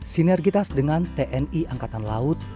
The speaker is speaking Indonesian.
sinergitas dengan tni angkatan laut